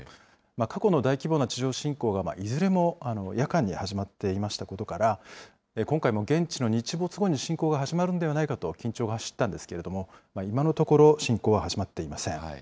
過去の大規模な地上侵攻がいずれも夜間に始まっていましたことから、今回も現地の日没後に侵攻が始まるんではないかと緊張が走ったんですけれども、今のところ、侵攻は始まっていません。